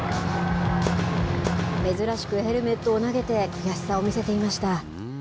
珍しくヘルメットを投げて、悔しさを見せていました。